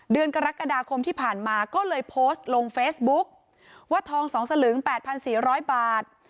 เดือนกรกฎาคมที่ผ่านมาก็เลยโพสต์ลงเฟซบุ๊กว่าทอง๒สลึง๘๔๐๐บาท